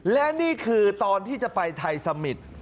และนี่คือตอนที่จะไปไทยสมิตร